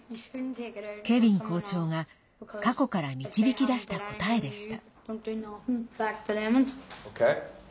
ケヴィン校長が過去から導き出した答えでした。